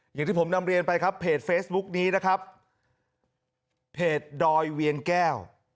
อย่างที่ผมนำเรียนไปครับเพจเฟซบุ๊กนี้นะครับเพจดอยเวียงแก้ว